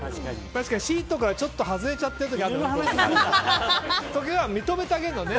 確かにシートからちょっと外れちゃった時は認めてあげるのね。